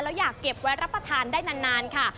แล้วอยากเก็บไว้รับประทานได้นานค่ะ